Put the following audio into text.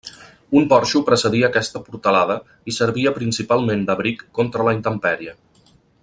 Un porxo precedia aquesta portalada i servia principalment d'abric contra la intempèrie.